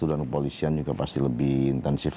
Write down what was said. dan kepolisian juga pasti lebih intensif